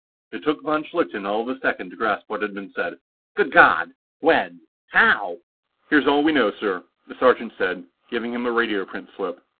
It took von Schlichten all of a second to grasp what had been said. "Good God! When? How?" "Here's all we know, sir," the sergeant said, giving him a radioprint slip.